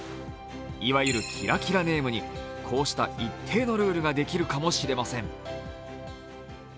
いわゆるキラキラネームにこうした一定のルールができるかもしれません。